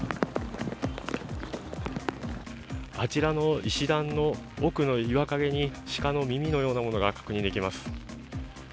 あちらの奥の岩陰に、しかの耳のようなものが確認できます。